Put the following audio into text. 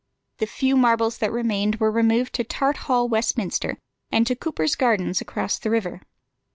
The few marbles that remained were removed to Tart Hall, Westminster, and to Cuper's Gardens across the river.